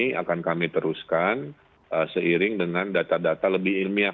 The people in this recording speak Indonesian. ini akan kami teruskan seiring dengan data data lebih ilmiah